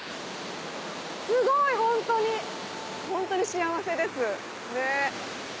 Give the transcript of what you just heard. すごいホントにホントに幸せですねぇ。